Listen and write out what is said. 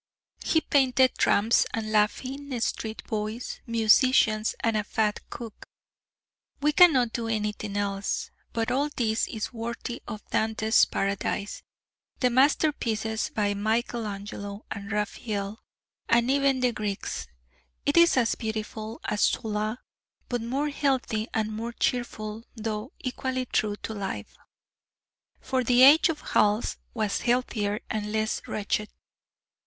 He painted tramps and laughing street boys, musicians, and a fat cook. We cannot do anything else; but all this is worthy of Dante's "Paradise," the masterpieces by Michelangelo and Raphael, and even the Greeks; it is as beautiful as Zola, but more healthy and more cheerful, though equally true to life. For the age of Hals was healthier and less wretched.